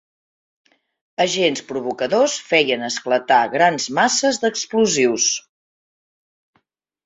Agents provocadors feien esclatar grans masses d'explosius